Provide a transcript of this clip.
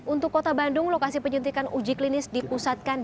untuk kota bandung lokasi penyuntikan uji klinis ini adalah